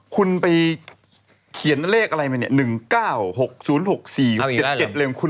คุณไปเขียนเลขอะไรไหมนึก้าวหกสูญหกสี่เด็ดเร่ม